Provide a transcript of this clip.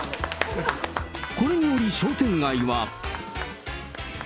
これにより、商店街は。